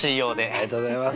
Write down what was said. ありがとうございます。